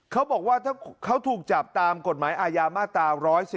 เขาบอกว่าถ้าเขาถูกจับตามกฎหมายอาญามาตรา๑๑๒